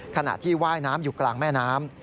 ขณะที่ว่ายน้ำอยู่กลางแม่น้ำ